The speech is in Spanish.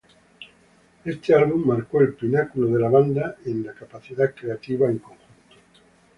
Este álbum marcó el pináculo de la banda de la capacidad creativa en conjunto.